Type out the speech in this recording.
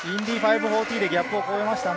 ５４０でギャップを越えましたね。